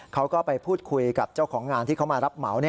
เขาก็ไปพูดคุยกับเจ้าของงานที่เขามารับเหมา